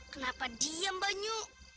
kenapa diam banyu